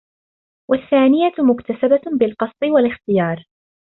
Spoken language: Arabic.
وَالثَّانِيَةُ مُكْتَسَبَةٌ بِالْقَصْدِ وَالِاخْتِيَارِ